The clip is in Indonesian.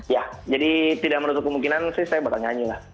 ya jadi tidak menutup kemungkinan sih saya bakal nyanyi lah